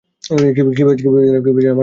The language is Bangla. কিভাবে যেন আমার পরিবার আমাকে খুজে পায়।